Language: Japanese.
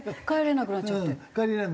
帰れなくなっちゃって。